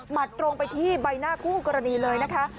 ตรงไปที่ใบหน้าคู่กรณีเลยนะคะ